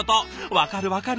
分かる分かる！